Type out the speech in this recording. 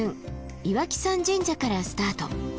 岩木山神社からスタート。